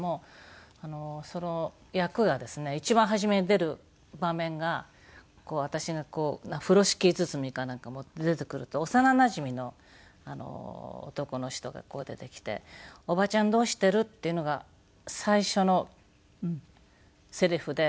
その役がですね一番初めに出る場面が私が風呂敷包みかなんか持って出てくると幼なじみの男の人が出てきて「おばちゃんどうしてる？」っていうのが最初のセリフで。